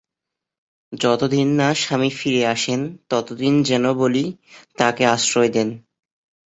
যতদিন না স্বামী ফিরে আসেন, ততদিন যেন বলি তাঁকে আশ্রয় দেন।